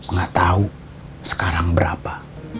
nggak tahu sekarang berapa